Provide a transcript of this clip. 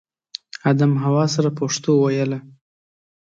ادم حوا سره پښتو ویله